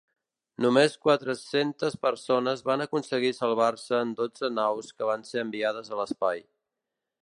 Només quatre-centes persones van aconseguir salvar-se en dotze naus que van ser enviades a l'espai.